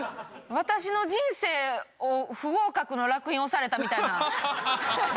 私の人生を不合格のらく印押されたみたいな。